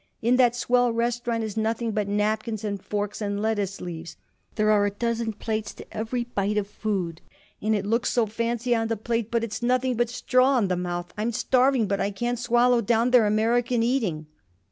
In that swell restaurant is nothing but napkins and forks and lettuce leaves. There are a dozen plates to every bite of food. And it looks so fancy on the plate, but it's nothing but straw in the mouth. I'm starving, but I can't swallow down their American eating."